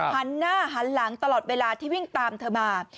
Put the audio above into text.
หันหน้าหันหลังตลอดเวลาที่วิ่งตามเธอมา